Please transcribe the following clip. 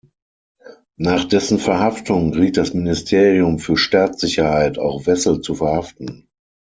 Nach dessen Verhaftung riet das Ministerium für Staatssicherheit, auch Wessel zu verhaften.